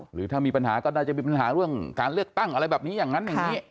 หรือถ้ามีปัญหาก็น่าจะมีปัญหาเรื่องการเลือกตั้งอะไรแบบนี้อย่างนั้นอย่างนี้